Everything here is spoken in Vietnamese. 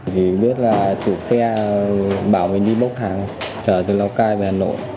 thì biết là chủ xe bảo mình đi bốc hàng chở từ lào cai về hà nội